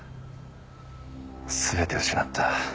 全て失った。